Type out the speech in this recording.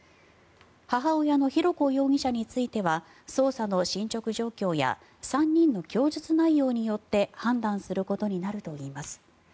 母親の浩子容疑者については捜査の進ちょく状況や３人の供述内容によって判断することになるといいます。